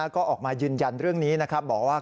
ก็ออกมายืนยันเรื่องนี้บอกว่า